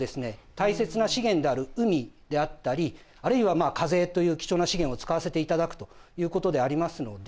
大切な資源である海であったりあるいは風という貴重な資源を使わせていただくということでありますので。